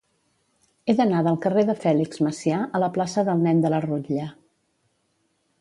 He d'anar del carrer de Fèlix Macià a la plaça del Nen de la Rutlla.